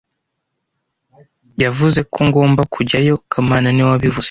Yavuze ko ngomba kujyayo kamana niwe wabivuze